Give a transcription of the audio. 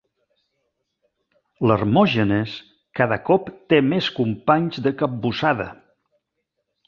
L'Hermògenes cada cop té més companys de capbussada.